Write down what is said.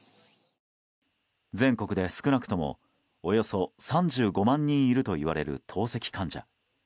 全国で少なくともおよそ３５万人いるといわれる透析患者。